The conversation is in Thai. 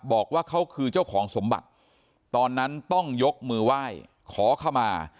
บอกว่าเขาคือเจ้าของสมบัติตอนนั้นต้องยกมือไหว้ขอขมา